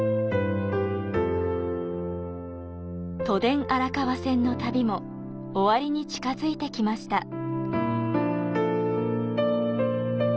都電荒川線の旅も終わりに近づいてきました。